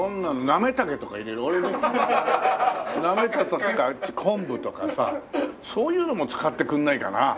なめたけとか昆布とかさそういうのも使ってくんないかな？